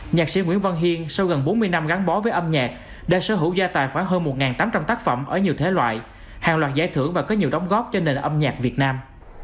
nhạc sĩ nguyễn văn hiên sau gần bốn mươi năm gắn bó với âm nhạc đã sở hữu gia tài khoảng hơn một tám trăm linh tác phẩm ở nhiều thế loại hàng loạt giải thưởng và có nhiều đóng góp cho nền âm nhạc việt nam